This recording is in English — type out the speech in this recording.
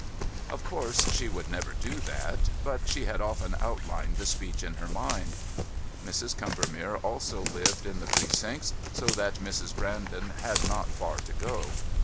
Of course she would never do that, but she had often outlined the speech in her mind. Mrs. Combermere also lived in the Precincts, so that Mrs. Brandon had not far to go.